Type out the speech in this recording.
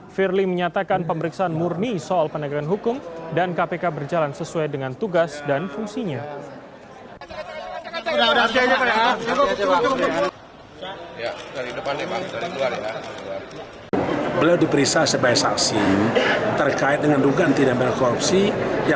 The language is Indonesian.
firly menyatakan pemeriksaan murni soal penegakan hukum dan kpk berjalan sesuai dengan tugas dan fungsinya